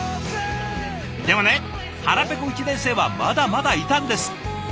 でもね腹ぺこ１年生はまだまだいたんです。